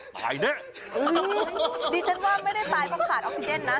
ตายเนอนี่ฉันว่าไม่ได้ตายก็ขาดออกซิเจนนะ